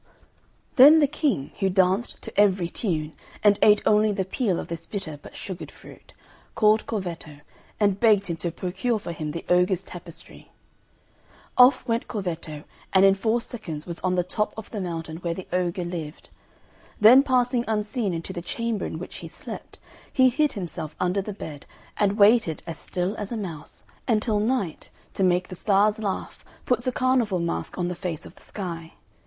Then the King, who danced to every tune, and ate only the peel of this bitter but sugared fruit, called Corvetto, and begged him to procure for him the ogre's tapestry. Off went Corvetto and in four seconds was on the top of the mountain where the ogre lived; then passing unseen into the chamber in which he slept, he hid himself under the bed, and waited as still as a mouse, until Night, to make the Stars laugh, puts a carnival mask on the face of the Sky.